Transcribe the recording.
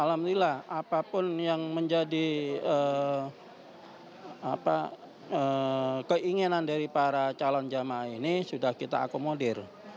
alhamdulillah apapun yang menjadi keinginan dari para calon jemaah ini sudah kita akomodir